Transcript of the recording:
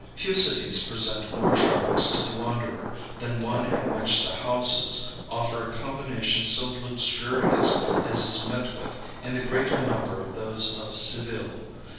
Few cities present more charms to the wanderer than one in which the houses offer a combination so luxurious as is met with in the greater number of those of Seville.